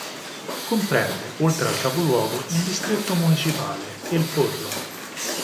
Comprende, oltre al capoluogo, un distretto municipale: El Pozo.